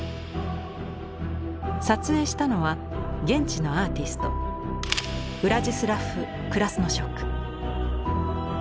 撮影したのは現地のアーティストウラジスラフ・クラスノショク。